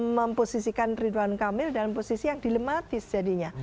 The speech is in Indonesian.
memposisikan ridwan kamil dalam posisi yang dilematis jadinya